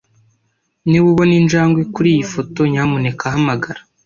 Niba ubona injangwe kuriyi foto, nyamuneka hamagara.